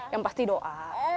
yang pasti doa